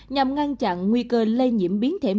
nhằm ngăn chặn nguy cơ lây nhiễm